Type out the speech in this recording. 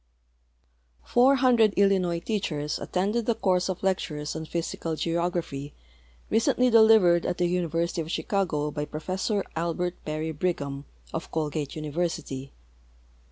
Four hundred Illinois teachers attended the course of lectures on Physical Geograjihy recentl}' delivered at the University of Chicago by Professor Albert Perry Brigham, of Colgate University.